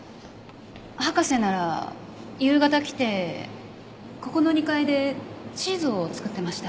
博士なら夕方来てここの２階でチーズを作ってました。